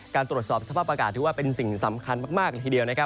ตรวจสอบสภาพอากาศถือว่าเป็นสิ่งสำคัญมากเลยทีเดียวนะครับ